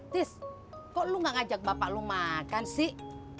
tis kok lu gak ngajak bapak lu makan sik